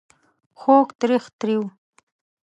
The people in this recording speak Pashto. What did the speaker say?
خوږ .. تریخ ... تریو ...